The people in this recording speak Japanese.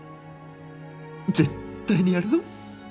絶対にやるぞ。